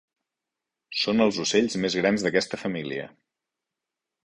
Són els ocells més grans d'aquesta família.